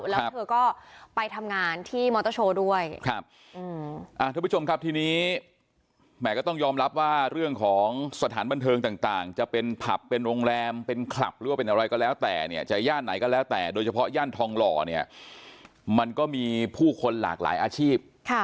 แล้วเธอก็ไปทำงานที่มอเตอร์โชว์ด้วยครับทุกผู้ชมครับทีนี้แหม่ก็ต้องยอมรับว่าเรื่องของสถานบันเทิงต่างจะเป็นผับเป็นโรงแรมเป็นคลับหรือว่าเป็นอะไรก็แล้วแต่เนี่ยจะย่านไหนก็แล้วแต่โดยเฉพาะย่านทองหล่อเนี่ยมันก็มีผู้คนหลากหลายอาชีพ